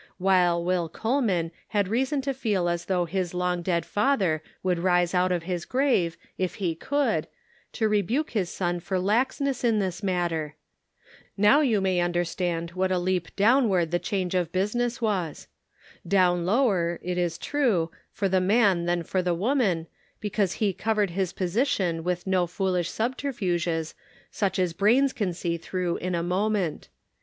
While Will Coleman had reason to feel as though his long dead father would rise out of his grave, if he could, to rebuke his son for laxness in this matter. Now you may understand Shirking Responsibility. 435 what a leap downward the change of business was. Down lower, it is true, for the man than for the woman, because he covered his position with no foolish subterfuges such as brains can see through in a moment.